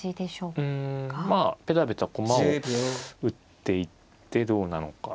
うんまあペタペタ駒を打っていってどうなのか。